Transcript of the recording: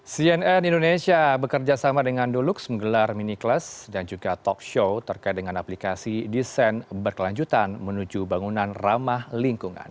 cnn indonesia bekerja sama dengan dolux menggelar mini class dan juga talk show terkait dengan aplikasi desain berkelanjutan menuju bangunan ramah lingkungan